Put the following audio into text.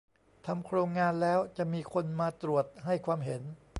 ทำโครงงานแล้วจะมีคนมาตรวจให้ความเห็น